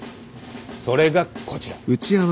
それがこちら。